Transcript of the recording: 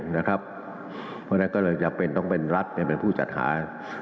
เพราะนั้นก็เลยต้องเป็นรัฐเป็นผู้จัดหา